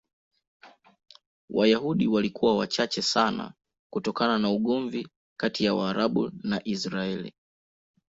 Wayahudi wamekuwa wachache sana kutokana na ugomvi kati ya Waarabu na Israel.